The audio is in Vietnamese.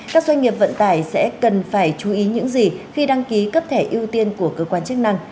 các doanh nghiệp vận tải sẽ cần phải chú ý những gì khi đăng ký cấp thẻ ưu tiên của cơ quan chức năng